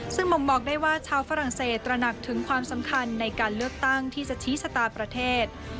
ซึ่งบ่งบอกได้ว่าชาวฝรั่งเศสตระหนักถึงความสำคัญในการเลือกตั้งที่จะชี้ชะตาประเทศ